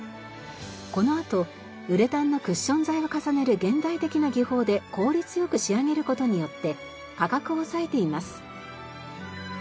このあとウレタンのクッション材を重ねる現代的な技法で効率良く仕上げる事によって価格を抑えています。